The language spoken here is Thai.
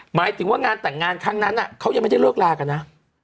หมายถึงว่างานแต่งงานครั้งนั้นเขายังไม่ได้เลิกลากันนะ